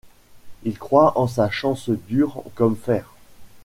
Il croit en sa chance dur comme fer.